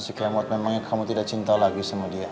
sekian banget memangnya kamu tidak cinta lagi sama dia